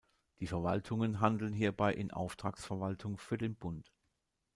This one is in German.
Die Verwaltungen handeln hierbei in Auftragsverwaltung für den Bund.